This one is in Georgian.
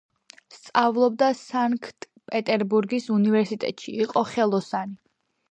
სწავლობდა სანქტ-პეტერბურგის უნივერსიტეტში, იყო ხელოსანი.